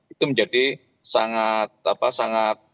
itu menjadi sangat apa sangat